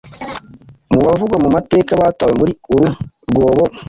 Mu bavugwa mu mateka batawe muri uru rwobo